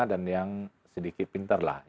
dan yang sedikit pintar lah